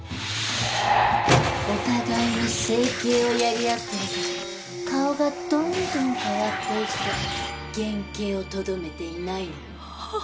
お互い整形をやり合ってるから顔がどんどん変わっていって原形をとどめていないのよ。